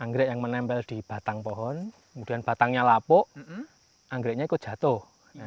anggrek yang menempel di batang pohon kemudian batangnya lapuk anggreknya ikut jatuh